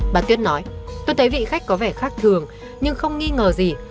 bà tuyết nói tôi thấy vị khách có vẻ khác thường nhưng không nghi ngờ gì